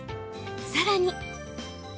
さらに。